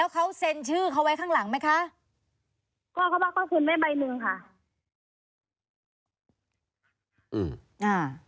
เขาก็เลยว่าแม่เขาบอกว่าให้เอาหอยโรตเตอรี่ให้พี่น้อยเอาไปขึ้นแล้ว